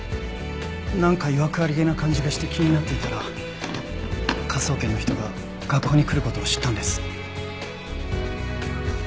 なんかいわくありげな感じがして気になっていたら科捜研の人が学校に来る事を知ったんです。